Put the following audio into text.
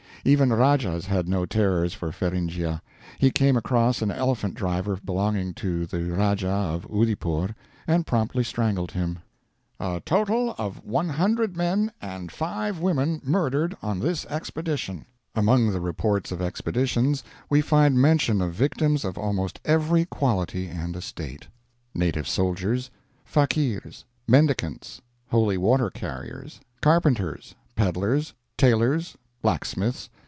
Even Rajahs had no terrors for Feringhea; he came across an elephant driver belonging to the Rajah of Oodeypore and promptly strangled him. "A total of 100 men and 5 women murdered on this expedition." Among the reports of expeditions we find mention of victims of almost every quality and estate: Native soldiers. Fakeers. Mendicants. Holy water carriers. Carpenters. Peddlers. Tailors. Blacksmiths.